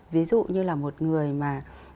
ví dụ như là một người mà